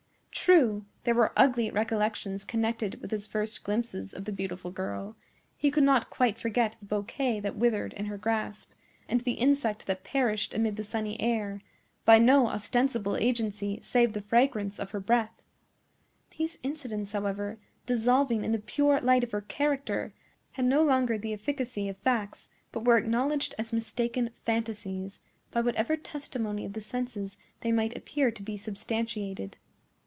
True, there were ugly recollections connected with his first glimpses of the beautiful girl; he could not quite forget the bouquet that withered in her grasp, and the insect that perished amid the sunny air, by no ostensible agency save the fragrance of her breath. These incidents, however, dissolving in the pure light of her character, had no longer the efficacy of facts, but were acknowledged as mistaken fantasies, by whatever testimony of the senses they might appear to be substantiated.